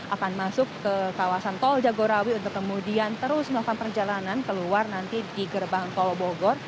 akan masuk ke kawasan tol jagorawi untuk kemudian terus melakukan perjalanan keluar nanti di gerbang tol bogor